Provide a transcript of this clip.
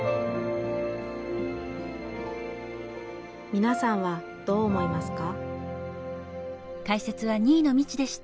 みなさんはどう思いますか？